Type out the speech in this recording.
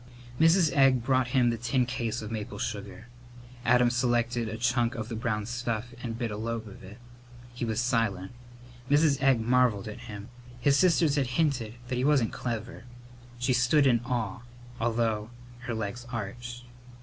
Mrs. Egg brought him the tin case of maple sugar. Adam selected a chunk of the brown stuff and bit a lobe of it. He was silent. Mrs. Egg marvelled at him. His sisters had hinted that he wasn't clever. She stood in awe, although her legs ached.